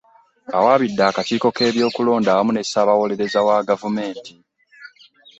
Awaabidde akakiiko k'ebyokulonda wamu ne Ssaabawolereza wa gavumenti.